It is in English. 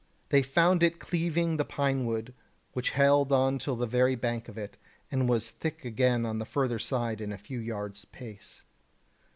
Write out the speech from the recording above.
They found it cleaving the pine wood, which held on till the very bank of it, and was thick again on the further side in a few yards' space.